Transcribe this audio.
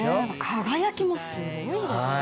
輝きもすごいですね。